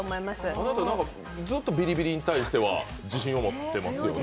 あなた、ずっとビリビリに対しては自信を持ってますよね？